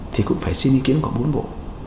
thì cũng phải xin ý kiến của bốn bộ